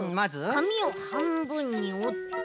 かみをはんぶんにおって。